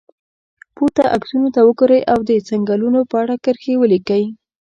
پورته عکسونو ته وګورئ او د څنګلونو په اړه کرښې ولیکئ.